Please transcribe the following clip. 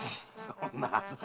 そんなはずは。